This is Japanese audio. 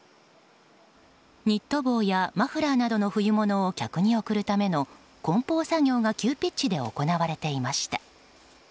ニット帽やマフラーなどの冬物を客に送るための梱包作業が急ピッチで行われていました。